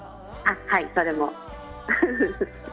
はい、それも。